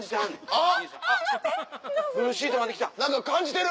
あっ⁉